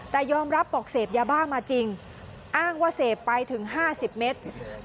แต่ยอมรับบอกเสพยาบ้ามาจริงอ้างว่าเสพไปถึง๕๐เมตร